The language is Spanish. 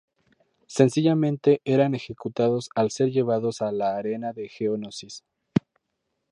Sencillamente eran ejecutados al ser llevados a la Arena de Geonosis.